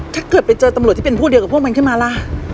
ถ้าเกิดไปเจอตำรวจที่เป็นผู้เดียวกับพวกมันขึ้นมาล่ะ